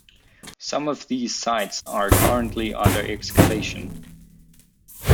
Some of these sites are currently under excavation.